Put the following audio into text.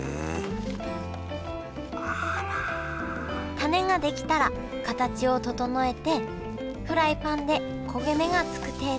タネが出来たら形を整えてフライパンで焦げ目がつく程度に焼きます